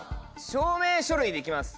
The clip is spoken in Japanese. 証明書類で行きます。